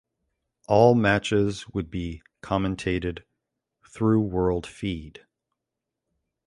All matches would be commentated through world feed.